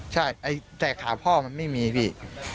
ใช่แต่ขาพ่อมันไม่มีพี่